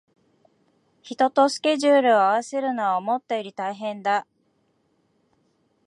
人とスケジュールを合わせるのは思ったより大変だ